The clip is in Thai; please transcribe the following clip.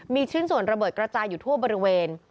มีชิ้นส่วนระเบิดกระจายอยู่ทั่วบริเวณ